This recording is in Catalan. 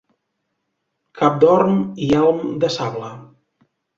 Cap d'or i elm de sable.